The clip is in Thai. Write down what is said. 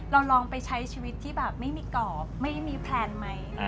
ลองไปใช้ชีวิตที่แบบไม่มีกรอบไม่มีแพลนไหม